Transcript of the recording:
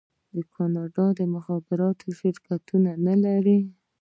آیا کاناډا د مخابراتو شرکتونه نلري؟